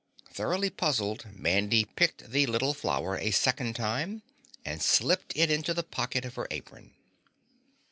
Thoroughly puzzled, Mandy picked the little flower a second time and slipped it into the pocket of her apron.